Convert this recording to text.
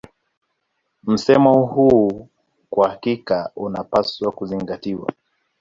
Msemo huu kwa hakika unapaswa kuzingatiwa